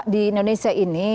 di indonesia ini